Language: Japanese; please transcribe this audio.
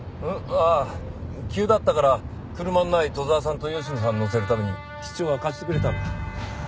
ああ急だったから車のない砥沢さんと吉野さん乗せるために室長が貸してくれたんだ。